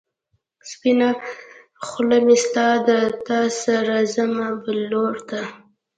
سپينه خلۀ مې ستا ده، تا سره ځمه بل لور ته